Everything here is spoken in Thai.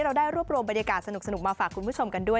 เราได้รวบรวมบรรยากาศสนุกมาฝากคุณผู้ชมกันด้วย